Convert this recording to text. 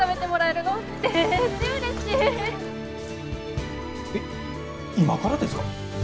えっ今からですか？